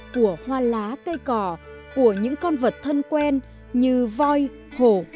của hoa lá cây cỏ của những con vật thân quen như voi hổ